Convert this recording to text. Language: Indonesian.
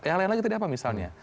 yang lain lagi tadi apa misalnya